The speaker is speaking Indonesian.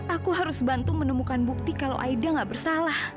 aku harus bantu menemukan bukti kalau aida gak bersalah